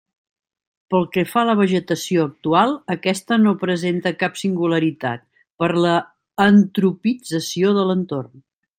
Pel que fa a la vegetació actual, aquesta no presenta cap singularitat, per l'antropització de l'entorn.